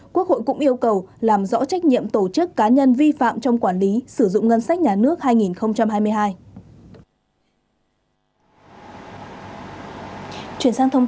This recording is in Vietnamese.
quốc hội cũng yêu cầu làm rõ trách nhiệm tổ chức cá nhân vi phạm trong quản lý sử dụng ngân sách nhà nước hai nghìn hai mươi hai